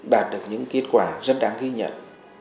đạt được những kết quả rất đáng ghi nhận